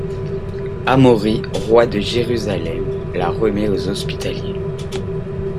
Amaury roi de Jérusalem la remet aux Hospitaliers.